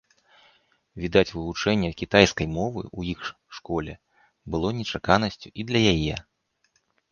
Відаць, вывучэнне кітайскай мовы ў іх школе было нечаканасцю і для яе.